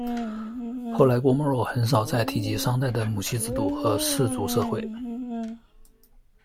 后来郭沫若很少再提及商代的母系制度和氏族社会。